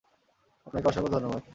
আপনাকে অসংখ্য ধন্যবাদ!